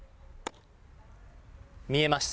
見えます。